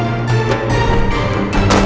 jangan lupa joko tingkir